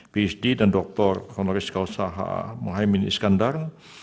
phd dan doktor honoris kausaha mohaimin iskandar